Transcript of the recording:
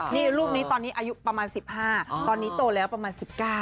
นี่รูปนี้ตอนนี้อายุประมาณ๑๕ตอนนี้โตแล้วประมาณ๑๙